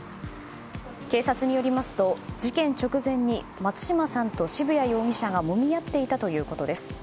警察によりますと、事件直前に松島さんと渋谷容疑者がもみ合っていたということです。